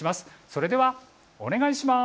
それではお願いします。